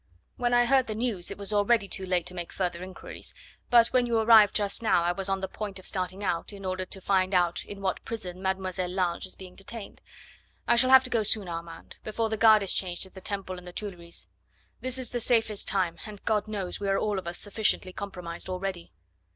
When I heard the news it was already too late to make further inquiries, but when you arrived just now I was on the point of starting out, in order to find out in what prison Mademoiselle Lange is being detained. I shall have to go soon, Armand, before the guard is changed at the Temple and the Tuileries. This is the safest time, and God knows we are all of us sufficiently compromised already."